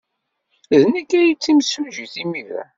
D nekk ay d timsujjit imir-a.